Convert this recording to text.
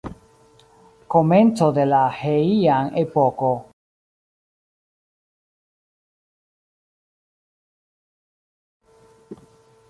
Komenco de la Heian-epoko.